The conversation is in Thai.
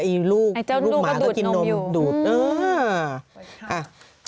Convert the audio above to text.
ไอ้ลูกลูกหมาก็กินนมดูดเออ